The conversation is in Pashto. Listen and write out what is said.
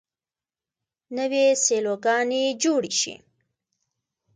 نوې سیلوګانې جوړې شي.